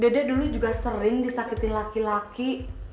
dede dulu juga sering disakiti laki laki